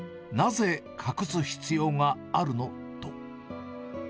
なぜ隠す必要があるの？と。